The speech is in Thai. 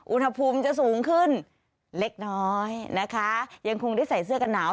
อุณหภูมิจะสูงขึ้นเล็กน้อยนะคะยังคงได้ใส่เสื้อกันหนาว